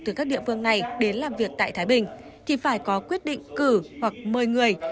từ các địa phương này đến làm việc tại thái bình thì phải có quyết định cử hoặc mời người